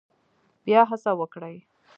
بیا هڅه وکړئ